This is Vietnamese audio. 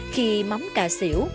khi mắm cà xỉu